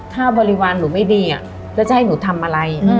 ถ้าบริวารหนูไม่ดีแล้วจะให้หนูทำอะไร